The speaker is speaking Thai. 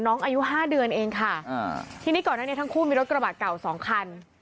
อายุห้าเดือนเองค่ะอ่าทีนี้ก่อนหน้านี้ทั้งคู่มีรถกระบะเก่าสองคัน